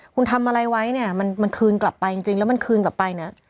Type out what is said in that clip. คุณทำอะไรไว้เนี่ยมันคืนกลับไปจริงแล้วมันคืนกลับไปเนี่ย